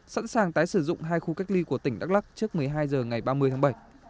sẵn sàng tái sử dụng hai khu cách ly của tỉnh đắk lắc trước một mươi hai h ngày ba mươi tháng bảy